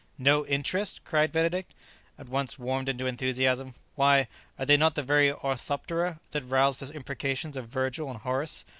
"No interest?" cried Benedict, at once warmed into enthusiasm; "why, are they not the very orthoptera that roused the imprecations of Virgil and Horace?